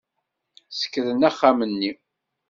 Ssekran axxam-nni.